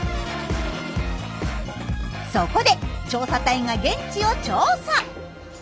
そこで調査隊が現地を調査。